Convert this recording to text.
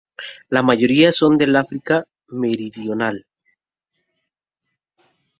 La mayoría son del África meridional.